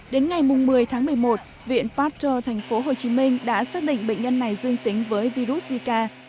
đến ngày một mươi tháng một mươi một viện pasteur tp hcm đã xác định bệnh nhân này dương tính với virus zika